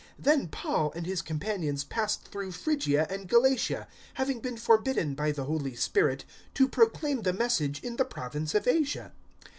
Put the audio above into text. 016:006 Then Paul and his companions passed through Phrygia and Galatia, having been forbidden by the Holy Spirit to proclaim the Message in the province of Asia.